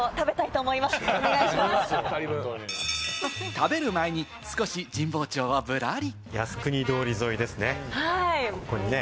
食べる前に少し神保町をぶらり。